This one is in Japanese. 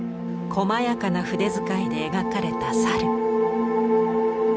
こまやかな筆遣いで描かれた猿。